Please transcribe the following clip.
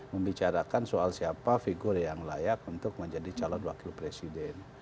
membicarakan soal siapa figur yang layak untuk menjadi calon wakil presiden